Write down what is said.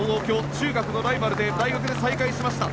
中学のライバルで大学で再会しました。